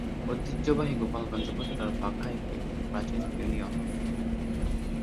ঐতিহ্যবাহী গোলাপগঞ্জ উপজেলার বাঘা একটি অতি প্রাচীন ইউনিয়ন।